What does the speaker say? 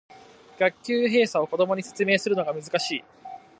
学級閉鎖を子供に説明するのが難しい